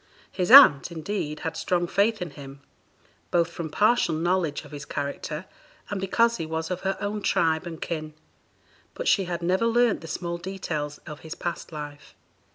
His aunt, indeed, had strong faith in him, both from partial knowledge of his character, and because he was of her own tribe and kin; but she had never learnt the small details of his past life.